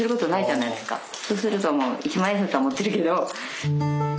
そうするともう一万円札は持ってるけど。